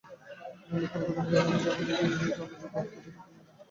নিলুফার বেগম জানালেন, জাপানিদের আনন্দিত হতে দেখে তিনি নিজেও আনন্দ অনুভব করছেন।